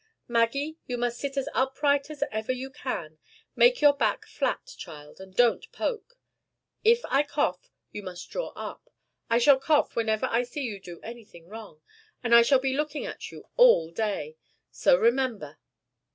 "Maggie! you must sit as upright as ever you can; make your back flat, child, and don't poke. If I cough, you must draw up. I shall cough whenever I see you do anything wrong, and I shall be looking at you all day; so remember.